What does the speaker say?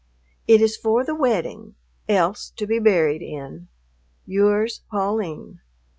It is for the wedding, else to be buried in. Yours, Pauline."